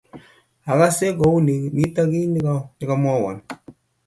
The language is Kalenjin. akase kouni mito kito ne mamwowon